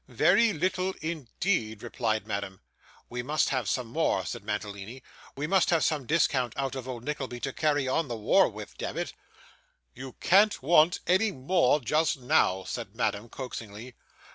'Very little indeed,' replied Madame. 'We must have some more,' said Mantalini; 'we must have some discount out of old Nickleby to carry on the war with, demmit.' 'You can't want any more just now,' said Madame coaxingly.